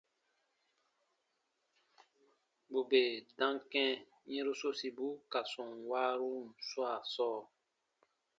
Bù bè dam kɛ̃ yɛ̃ru sosibu ka sɔm waarun swaa sɔɔ,